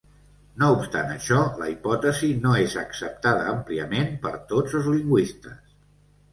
No obstant això, la hipòtesi no és acceptada àmpliament per tots els lingüistes.